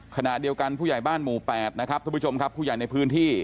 ขณะเดียวกันผู้ใหญ่บ้านหมู่๘นะครับท่านผู้ชมครับผู้ใหญ่ในพื้นที่